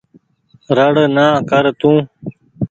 ۯڙ نآ ڪر تو۔